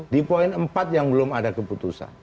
di poin empat yang belum ada keputusan